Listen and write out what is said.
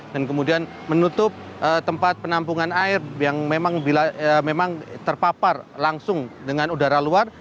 dan kemudian menutup tempat penampungan air yang memang terpapar langsung dengan udara luar